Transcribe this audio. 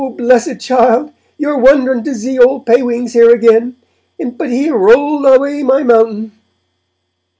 blessed Child, you're wonderin' to zee old Pewings here again, but He have rolled away my mountain!'